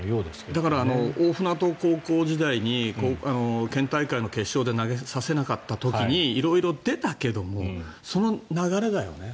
だから大船渡高校時代に県大会の決勝で投げさせなかった時に色々出たけど、その流れだよね。